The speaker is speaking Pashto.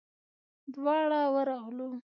دواړه ورغلو.